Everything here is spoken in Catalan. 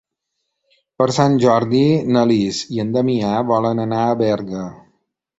Per Sant Jordi na Lis i en Damià volen anar a Berga.